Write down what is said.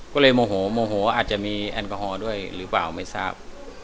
ก็เลยโมโหโมโหอาจจะมีแอลกอฮอล์ด้วยหรือเปล่าไม่ทราบ